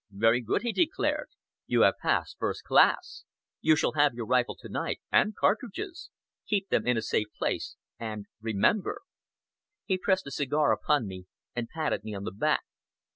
"Very good," he declared, "You have passed first class. You shall have your rifle to night, and cartridges. Keep them in a safe place, and remember!" He pressed a cigar upon me, and patted me on the back.